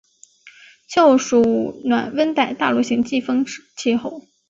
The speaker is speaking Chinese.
气候属暖温带大陆性季风气候。